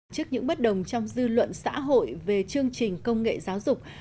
trước những bất đồng trong dư luận xã hội về chương trình công nghệ giáo dục